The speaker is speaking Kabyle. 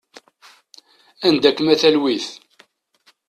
Anda-kem a talwit?